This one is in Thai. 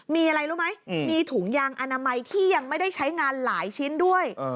มีอะไรรู้ไหมมีถุงยางอนามัยที่ยังไม่ได้ใช้งานหลายชิ้นด้วย